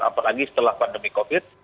apalagi setelah pandemi covid